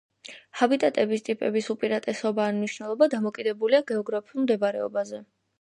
ჰაბიტატების ტიპების უპირატესობა ან მნიშვნელობა დამოკიდებულია გეოგრაფიულ მდებარეობაზე.